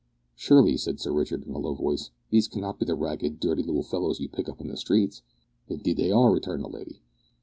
"Surely," said Sir Richard, in a low voice, "these cannot be the ragged, dirty little fellows you pick up in the streets?" "Indeed they are," returned the lady.